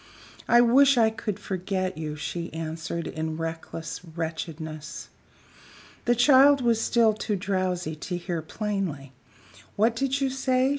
"I wish I could forget you," she answered, in reckless wretchedness. The child was still too drowsy to hear plainly. "What did you say?"